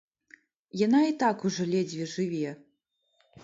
Яна і так ужо ледзьве жыве.